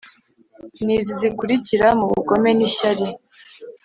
Nizi zikurikira nu bugome nishyari